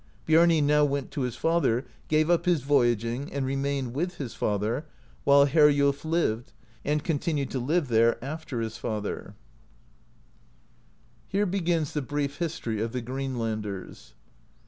Biarni now went to his father, gave up his voyaging, and remained with his father while Heriulf lived, and continued to live there after his father. 79 AMERICA DISCOVERED BY NORSEMEN HERE BEGINS THE BRIEF HISTORY OF THE GREENI.ANDERS.